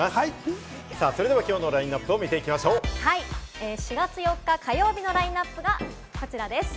今日のラインナップを見てい４月４日、火曜日のラインナップはこちらです。